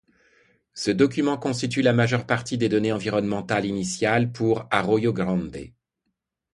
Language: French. Ce document constitue la majeure partie des données environnermentales initiales pour Arroyo Grande.